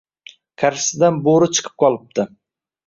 Qarshisidan bo’ri chiqib qolibdi